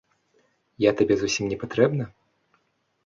Я табе зусім не патрэбна?